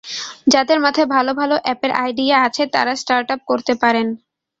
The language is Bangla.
যাঁদের মাথায় ভালো ভালো অ্যাপের আইডিয়া আছে, তাঁরা স্টার্টআপ করতে পারেন।